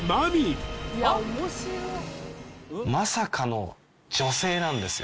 まさかの女性なんですよ